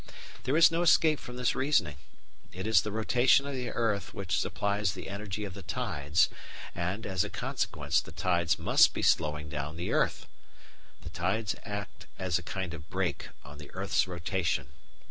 There is no escape from this reasoning. It is the rotation of the earth which supplies the energy of the tides, and, as a consequence, the tides must be slowing down the earth. The tides act as a kind of brake on the earth's rotation.